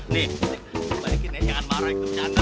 nih balikin nih jangan marah itu bercanda